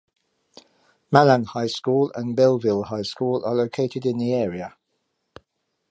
Malan High School and Bellville High School are located in the area.